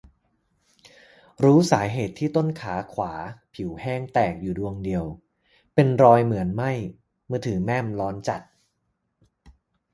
รู้สาเหตุที่ต้นขาขวาผิวแห้งแตกอยู่ดวงเดียว เป็นรอยเหมือนไหม้ มือถือแม่มร้อนจัด